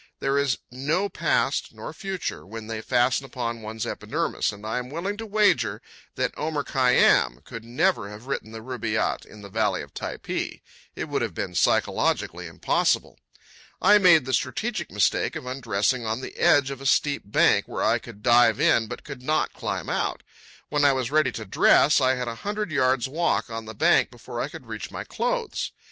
There is no past nor future when they fasten upon one's epidermis, and I am willing to wager that Omer Khayyám could never have written the Rubáiyat in the valley of Typee—it would have been psychologically impossible. I made the strategic mistake of undressing on the edge of a steep bank where I could dive in but could not climb out. When I was ready to dress, I had a hundred yards' walk on the bank before I could reach my clothes.